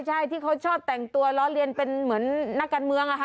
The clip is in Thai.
ใช่ที่เขาชอบแต่งตัวล้อเลียนเป็นเหมือนนักการเมืองอะค่ะ